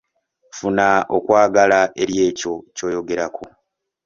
Funa okwagala eri ekyo ky'oyogerako.